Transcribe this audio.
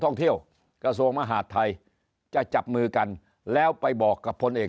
ท่องเที่ยวกระทรวงมหาดไทยจะจับมือกันแล้วไปบอกกับพลเอก